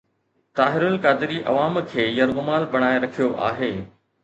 طاهر القادري عوام کي يرغمال بڻائي رکيو آهي.